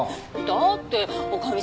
だって女将さん